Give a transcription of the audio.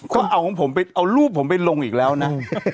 ของผมเอารูปผมไปลงอีกแล้วนะ